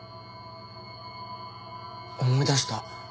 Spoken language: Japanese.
思い出した。